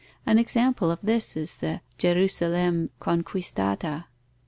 An example of this is the Gerusalemme conquistata.